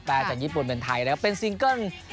แต่จากญี่ปุ่นเป็นไทยนะครับเป็นซิงเกิ้ล